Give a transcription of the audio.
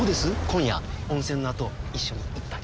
今夜温泉のあと一緒に一杯。